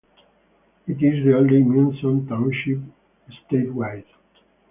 It is the only Munson Township statewide.